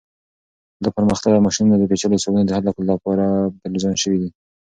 دا پرمختللي ماشینونه د پیچلو حسابونو د حل کولو لپاره ډیزاین شوي دي.